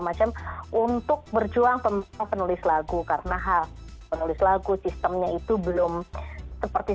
macam untuk berjuang penulis lagu karena hal penulis lagu sistemnya itu belum seperti